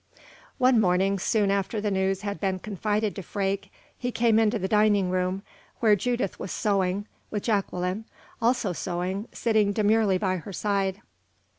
One morning, soon after the news had been confided to Freke, he came into the dining room, where Judith was sewing, with Jacqueline, also sewing, sitting demurely by her side.